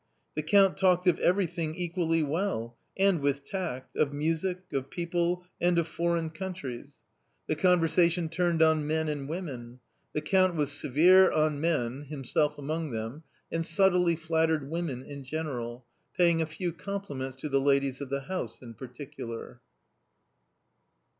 The Count talked of everything equally well and with tact — of music, of people, and of foreign countries. The A COMMON STORY 105 conversation turned on men and women ; the Count was severe on men, himself among them, and subtly flattered women in general, paying a few compliments to the ladies of the house in particular.